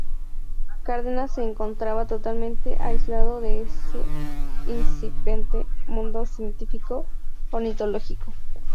Cárdenas se encontraba totalmente aislado de ese incipiente mundo científico-ornitológico.